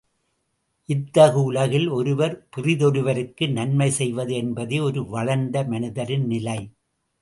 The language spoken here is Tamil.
இத்தகு உலகில் ஒருவர் பிறிதொருவருக்கு நன்மை செய்வது என்பதே ஒரு வளர்ந்த மனிதரின் நிலை.